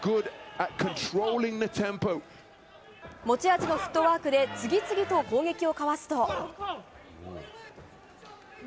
持ち味のフットワークで次々と攻撃をかわすと。